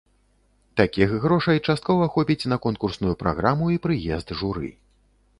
Такіх грошай часткова хопіць на конкурсную праграму і прыезд журы.